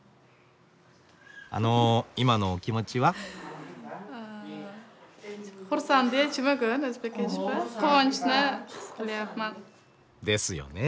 あの今のお気持ちは？ですよね。